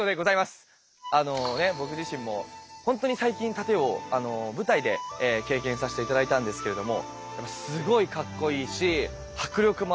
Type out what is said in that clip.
僕自身も本当に最近殺陣を舞台で経験させて頂いたんですけれどもすごいかっこいいし迫力もあるし。